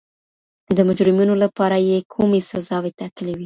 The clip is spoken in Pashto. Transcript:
د مجرمینو لپاره یې کومي سزاوي ټاکلي وي؟